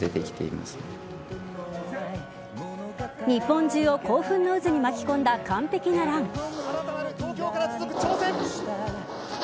日本中を興奮の渦に巻き込んだ完璧なラン。